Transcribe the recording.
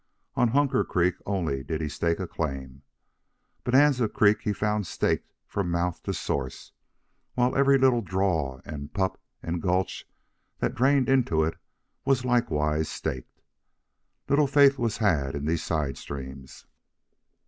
On Hunker Creek only did he stake a claim. Bonanza Creek he found staked from mouth to source, while every little draw and pup and gulch that drained into it was like wise staked. Little faith was had in these side streams.